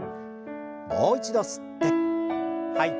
もう一度吸って吐いて。